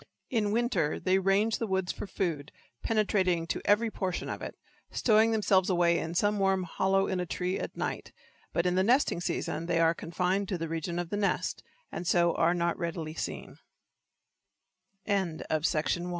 In winter they range the woods for food, penetrating to every portion of it, stowing themselves away in some warm hollow in a tree at night, but in the nesting season they are confined to the region of the nest, and so are not readily seen.